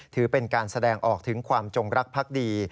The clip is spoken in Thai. ถือเป็นการแสดงออกถึงความจงรักพักดี